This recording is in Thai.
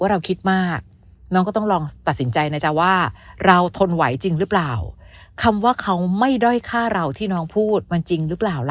ว่าเราคิดมากน้องก็ต้องลองตัดสินใจนะว่าเราทนไหวจริง